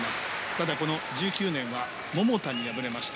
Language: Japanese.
ただ、１９年は桃田に敗れました。